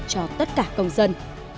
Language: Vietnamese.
cho tất cả công dân